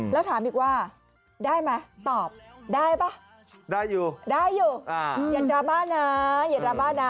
แล้วถามอีกว่าได้ไหมตอบได้ป่ะได้อยู่ได้อยู่อย่าดราม่านะอย่าดราม่านะ